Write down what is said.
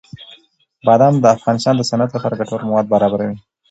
بادام د افغانستان د صنعت لپاره ګټور مواد برابروي.